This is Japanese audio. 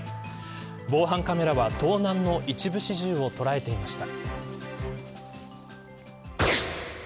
防犯カメラは盗難の一部始終を捉えていました。